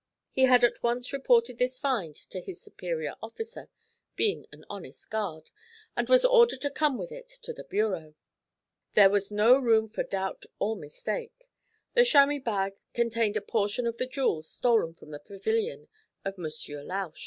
He had at once reported this find to his superior officer, being an honest guard, and was ordered to come with it to the bureau. There was no room for doubt or mistake. The chamois bag contained a portion of the jewels stolen from the pavilion of Monsieur Lausch.